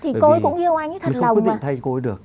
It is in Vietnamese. thì cô ấy cũng yêu anh thật lòng